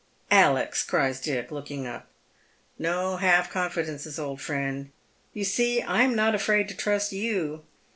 " Ales," cries Dick, looking up. " iMo half confidences, old friend. You see I am not afraid to trust you.